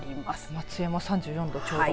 松江も３４度ちょうど。